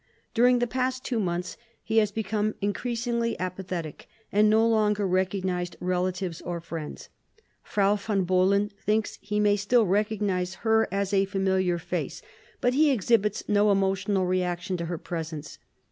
During the past two months, he has become increasingly apathetic, and no longer recognized relatives or friends. Frau Von Bohlen thinks he may still recognize her as a familiar face, but he exhibits no emotional reaction to her presence.